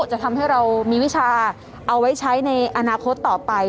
จะทำให้เรามีวิชาเอาไว้ใช้ในอนาคตต่อไป